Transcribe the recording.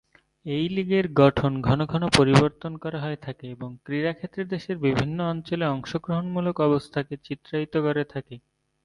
এই লীগের গঠন ঘনঘন পরিবর্তন করা হয়ে থাকে এবং ক্রীড়া ক্ষেত্রে দেশের বিভিন্ন অঞ্চলে অংশগ্রহণমূলক অবস্থাকে চিত্রায়িত করে থাকে।